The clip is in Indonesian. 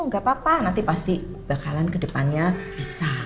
gak apa apa nanti pasti bakalan ke depannya bisa